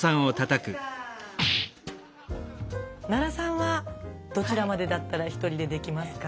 奈良さんはどちらまでだったらひとりでできますか？